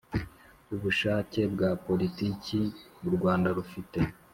Ubushake bwa Politiki u Rwanda rufite